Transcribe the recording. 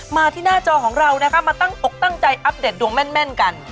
มาที่หน้าจอของเรานะคะมาตั้งอกตั้งใจอัปเดตดวงแม่นกัน